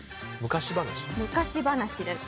昔話です。